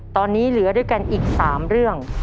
ตอนนี้เหลือด้วยกันอีก๓เรื่อง